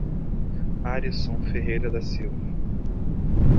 Arisson Ferreira da Silva